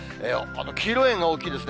黄色い円が大きいですね。